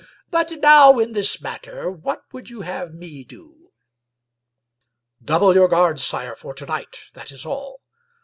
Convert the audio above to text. *" But now in this matter what would you have me do? " "Double your guards, sire, for to night — that is all.